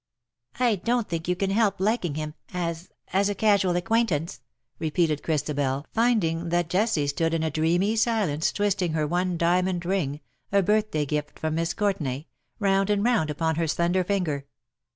^' I don't think you can help liking him — as — as a casual acquaintance !" repeated Christabel, finding that Jessie stood in a dreamy silence, twisting her one diamond ring — a birthday gift from Miss Courtenay — round and round upon her slender finger.